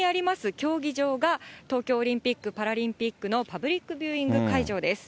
競技場が、東京オリンピック・パラリンピックのパブリックビューイング会場です。